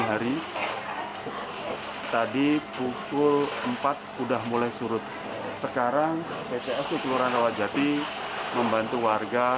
kitingin intensitas hujan dihulu kali ciliwung ciliwung warga mana ya